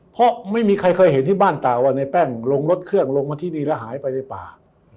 เพราะไม่มีใครเคยเห็นที่บ้านตาว่าในแป้งลงรถเครื่องลงมาที่นี่แล้วหายไปในป่า